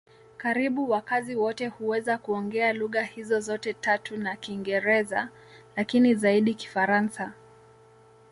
Karibu wakazi wote huweza kuongea lugha hizo zote tatu na Kiingereza, lakini zaidi Kifaransa.